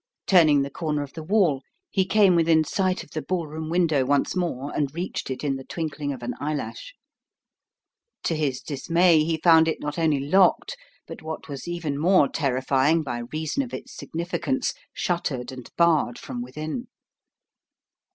Turning the corner of the wall, he came within sight of the ball room window once more and reached 36 The Riddle of the Purple Emperor it in the twinkling of an eyelash. To his dismay he found it not only locked, but what was even more terrifying by reason of its significance, shuttered and barred from within!